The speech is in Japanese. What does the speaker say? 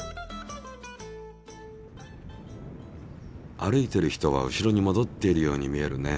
歩いてる人は後ろにもどっているように見えるね。